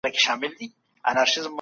مشران په لويه جرګه کي راټوليږي.